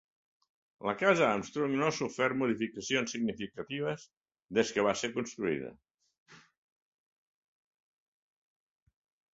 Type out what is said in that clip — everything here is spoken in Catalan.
La Casa Armstrong no ha sofert modificacions significatives des que va ser construïda.